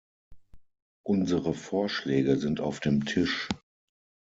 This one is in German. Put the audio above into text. Unsere Vorschläge sind auf dem Tisch.